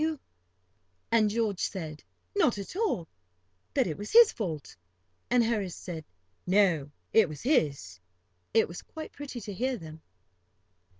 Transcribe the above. [Picture: Smoking pipes] And George said: "Not at all;" that it was his fault; and Harris said no, it was his. It was quite pretty to hear them.